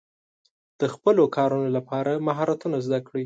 د خپلو کارونو لپاره مهارتونه زده کړئ.